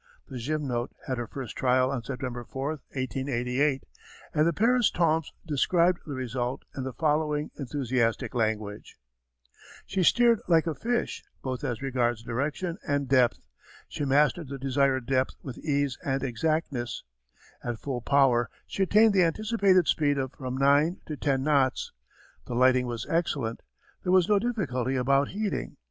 The Gymnote had her first trial on September 4, 1888, and the Paris Temps described the result in the following enthusiastic language: She steered like a fish both as regards direction and depth; she mastered the desired depth with ease and exactness; at full power she attained the anticipated speed of from nine to ten knots; the lighting was excellent, there was no difficulty about heating.